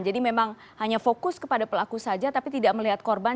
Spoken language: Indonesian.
jadi memang hanya fokus kepada pelaku saja tapi tidak melihat korban